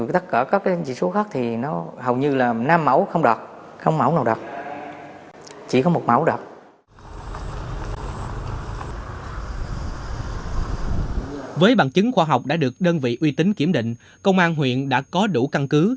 trong khi các khóa học đã được đơn vị uy tín kiểm định công an huyện đã có đủ căn cứ